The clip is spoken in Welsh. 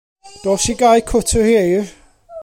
Dos i gau cwt yr ieir.